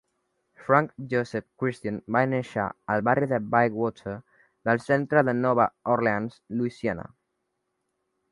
Frank Joseph Christian va néixer al barri de Bywater del centre de Nova Orleans, Louisiana.